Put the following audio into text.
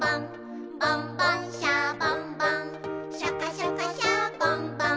「ボンボン・シャボン・ボンシャカシャカ・シャボン・ボン」